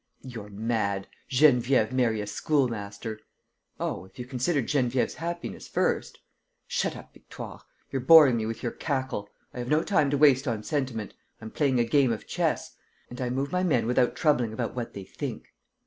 "You're mad! Geneviève marry a schoolmaster!" "Oh, if you considered Geneviève's happiness first. ..." "Shut up, Victoire. You're boring me with your cackle. I have no time to waste on sentiment. I'm playing a game of chess; and I move my men without troubling about what they think.